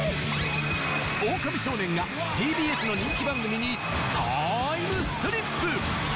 「オオカミ少年」がＴＢＳの人気番組にタイムスリップ！